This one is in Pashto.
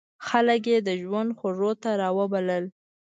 خلک یې د ژوند خوږو ته را وبلل.